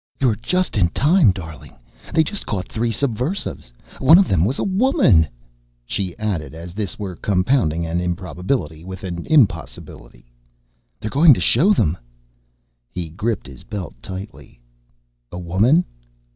"You're just in time, darling. They just caught three subversives. One of them was a woman," she added as this were compounding an improbability with an impossibility. "They're going to show them." He gripped his belt tightly. "A woman?"